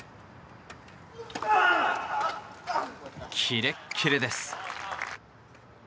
キレッキレです。